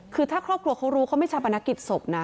คือถ้าครอบครัวเขารู้เขาไม่ชาปนกิจศพนะ